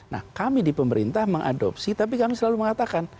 nah kami di pemerintah mengadopsi tapi kami selalu mengatakan